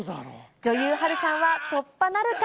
女優、波瑠さんは突破なるか？